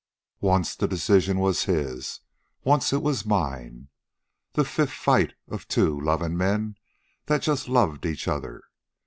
Once the decision was his; once it was mine. The fifth fight of two lovin' men that just loved each other.